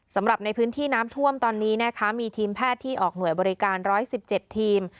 สำหรับในพื้นที่น้ำท่วมตอนนี้นะคะมีทีมแพทย์ที่ออกหน่วยบริการ๑๑๗ทีม